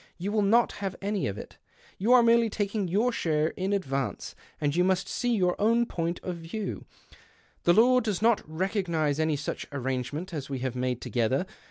You will not have any of it. ^ou are merely taking your share in advance, ind you must see your own point of view, rhe law does not recognize any such arrange nent as we have made together.